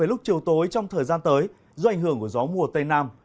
lúc chiều tối trong thời gian tới do ảnh hưởng của gió mùa tây nam